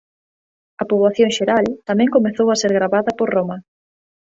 A poboación xeral tamén comezou a ser gravada por Roma.